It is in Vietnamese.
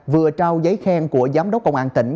vừa trao giấy khen của giám đốc công an tỉnh